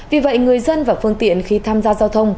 vì vậy người dân và phương tiện khi tham gia giao thông